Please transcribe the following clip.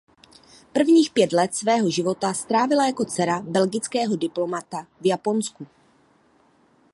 Prvních pět let svého života strávila jako dcera belgického diplomata v Japonsku.